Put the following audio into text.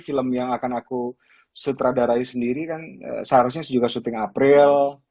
film yang akan aku sutradarai sendiri kan seharusnya juga syuting april